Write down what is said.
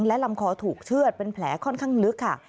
และลำคอถูกเชื่อดเป็นแผลค่อนข้างลึกค่ะ